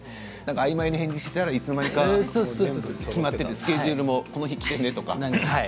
あいまいに返事していたらいつの間にかスケジュールもこの日来てねとか。